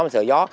mình sợ gió